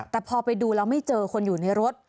แต่พอไปดูแล้วไม่เจอคนอยู่ในรถ